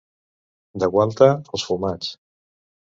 De Gualta, els fumats.